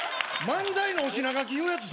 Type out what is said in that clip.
漫才のお品書き言うやつ